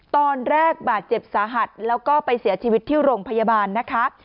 ตอนแรกบาดเจ็บสาหัสแล้วก็ไปเสียชีวิตที่โรงพยาบาลนะคะ